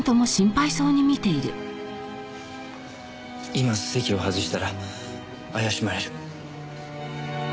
今席を外したら怪しまれる。